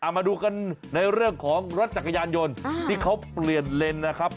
มาดูกันในเรื่องของรถจักรยานยนต์ที่เขาเปลี่ยนเลนนะครับ